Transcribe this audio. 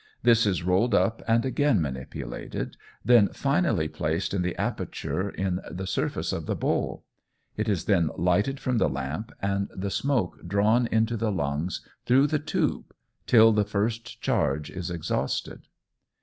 This is rolled up and again manipulated, then finally placed in the aperture in the surface of the bowl. It is then lighted from the lamp, and the smoke drawn into the lungs through the tube till the first charge is exhausted.